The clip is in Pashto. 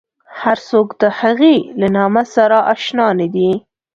هر څوک د هغې له نامه سره اشنا نه دي.